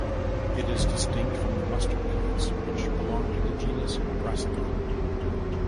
It is distinct from the mustard plants which belong to the genus "Brassica".